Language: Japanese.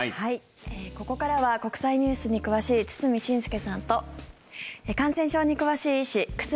ここからは国際ニュースに詳しい堤伸輔さんと感染症に詳しい医師久住